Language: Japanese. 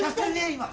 今。